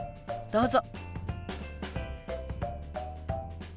どうぞ。